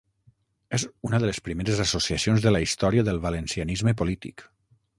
És una de les primeres associacions de la història del valencianisme polític.